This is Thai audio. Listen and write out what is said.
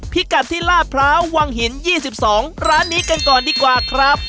พิกัดที่ลาดพร้าววังหิน๒๒ร้านนี้กันก่อนดีกว่าครับ